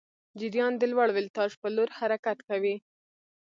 جریان د لوړ ولتاژ پر لور حرکت کوي.